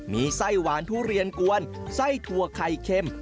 มีไส้หวานทุเรียนกวนไส้ถั่วไข่เค็ม